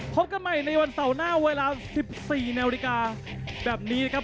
พบกันใหม่ในวันเสาร์หน้าเวลา๑๔นาฬิกาแบบนี้นะครับ